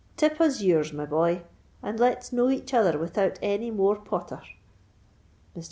Tip us your's, my boy—and let's know each other without any more pother." Mr.